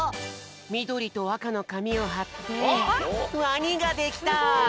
みどりとあかのかみをはってワニができた！